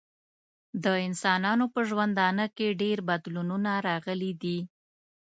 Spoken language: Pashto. د انسانانو په ژوندانه کې ډیر بدلونونه راغلي دي.